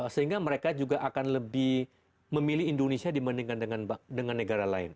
sehingga mereka juga akan lebih memilih indonesia dibandingkan dengan negara lain